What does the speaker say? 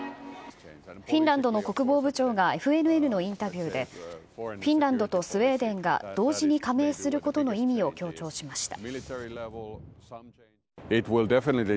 フィンランドの国防部長がＦＮＮのインタビューで、フィンランドとスウェーデンが同時に加盟することの意味を強調しました。